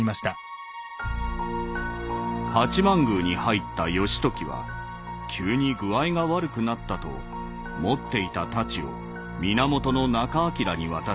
「八幡宮に入った義時は急に具合が悪くなったと持っていた太刀を源仲章に渡し館に帰った」。